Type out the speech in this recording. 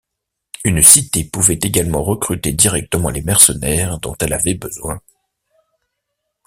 Une cité pouvait également recruter directement les mercenaires dont elle avait besoin.